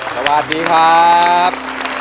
สวัสดีครับ